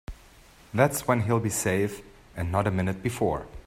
That's when he'll be safe and not a minute before.